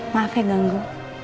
maaf ya ganggu